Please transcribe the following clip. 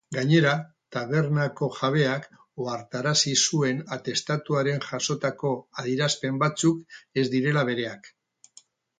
Gainera, tabernako jabeak ohartarazi zuen atestatuaren jasotako adierazpen batzuk ez direla bereak.